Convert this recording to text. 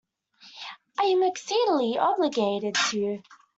I am exceedingly obliged to you.